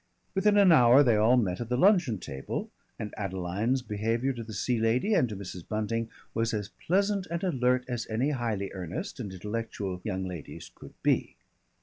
Within an hour they all met at the luncheon table and Adeline's behaviour to the Sea Lady and to Mrs. Bunting was as pleasant and alert as any highly earnest and intellectual young lady's could be.